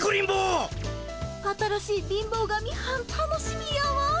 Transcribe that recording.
新しい貧乏神はん楽しみやわ。